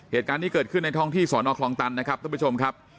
เหตุการณ์นี้เกิดขึ้นในท้องที่สอนอคลองตันนะครับท่านผู้ชมครับ